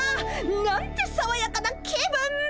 なんてさわやかな気分。